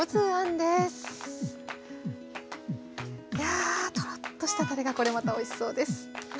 やあトロッとしたたれがこれまたおいしそうです。